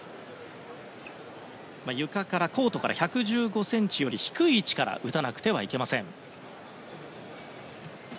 床から、コートから１１５ｃｍ低い位置から打たなければいけません。